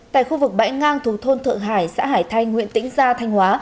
tại khu vực bãi ngang thuộc thôn thượng hải xã hải thay nguyễn tĩnh gia thanh hóa